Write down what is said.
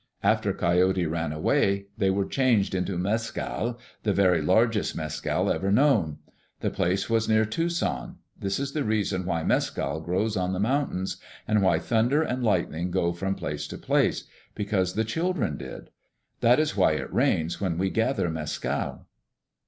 After Coyote ran away, they were changed into mescal the very largest mescal ever known. The place was near Tucson. This is the reason why mescal grows on the mountains, and why thunder and lightning go from place to place because the children did. That is why it rains when we gather mescal.